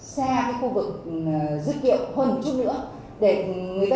tại khu vực nhà giải vũ nhà trưng bày và đền trung hoa